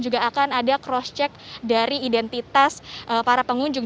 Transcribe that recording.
juga akan ada cross check dari identitas para pengunjung